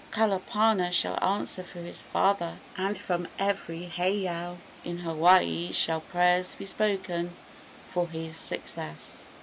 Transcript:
Kalapana shall answer for his father, and from every heiau in Hawaii shall prayers be spoken for his success."